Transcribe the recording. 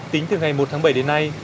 tính từ ngày một tháng bảy đến nay